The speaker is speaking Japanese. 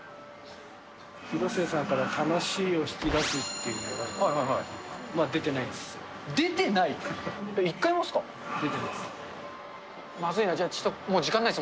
広末さんから、楽しいを引き出すというのが、まだ出てないです。